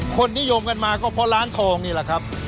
คนนิยมกันมาก็เพราะร้านทองนี่แหละครับ